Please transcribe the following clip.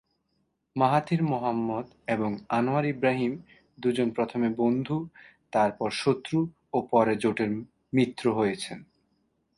Mahathir Mohamad এবং Anwar Ibrahim দুজন প্রথমে বন্ধু, তারপর শত্রু ও পরে জোটের মিত্র হয়েছেন।